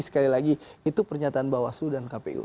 sekali lagi itu pernyataan bawaslu dan kpu